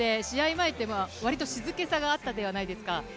前って、割と静けさがあったではないんですか？